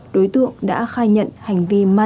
đối tượng đã khai nhận hành vi